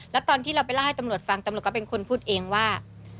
แล้วตอนที่เราไปเล่าให้ตำรวจฟังตำรวจก็เป็นคนพูดเองว่า